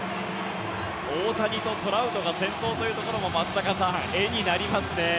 大谷とトラウトが先頭というところも松坂さん、絵になりますね。